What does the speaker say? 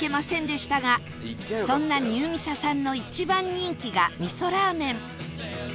そんなニューミサさんの一番人気がみそラーメン